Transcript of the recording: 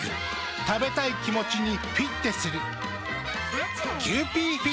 食べたい気持ちにフィッテする。